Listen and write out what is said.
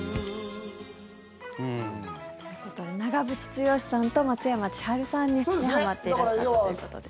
ということで長渕剛さんと松山千春さんにはまっていらっしゃったということで。